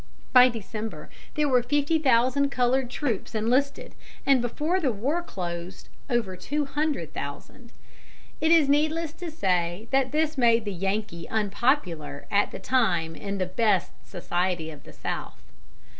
By December there were fifty thousand colored troops enlisted, and before the war closed over two hundred thousand. It is needless to say that this made the Yankee unpopular at the time in the best society of the South.